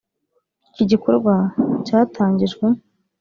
Iki gikorwa cyatangijwe